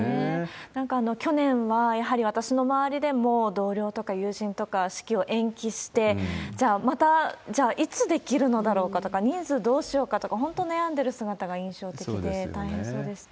なんか去年は、やはり私の周りでも同僚とか友人とか式を延期して、じゃあまた、じゃあいつできるのだろうかとか、人数どうしようかとか、本当悩んでる姿が印象的で、大変そうでした。